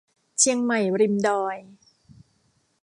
เชียงใหม่ริมดอย